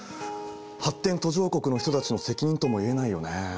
発展途上国の人たちの責任とも言えないよね。